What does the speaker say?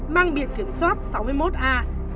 mang biệt kiểm soát sáu mươi một a